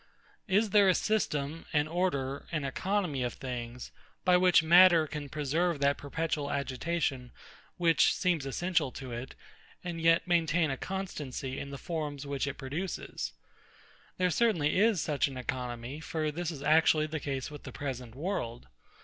Is there a system, an order, an economy of things, by which matter can preserve that perpetual agitation which seems essential to it, and yet maintain a constancy in the forms which it produces? There certainly is such an economy; for this is actually the case with the present world.